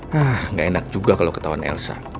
hah gak enak juga kalau ketahuan elsa